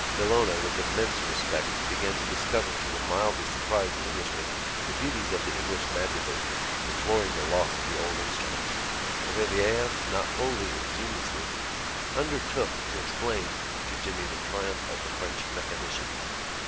Villona, with immense respect, began to discover to the mildly surprised Englishman the beauties of the English madrigal, deploring the loss of old instruments. Rivière, not wholly ingenuously, undertook to explain to Jimmy the triumph of the French mechanicians.